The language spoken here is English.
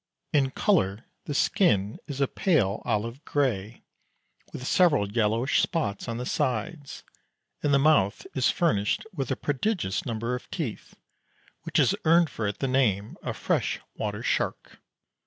In colour the skin is a pale olive grey, with several yellowish spots on the sides, and the mouth is furnished with a prodigious number of teeth, which has earned for it the name of "fresh water shark."